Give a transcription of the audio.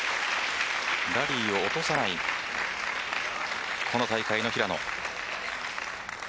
ラリーを落とさないこの大会の平野。